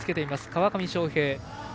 川上翔平。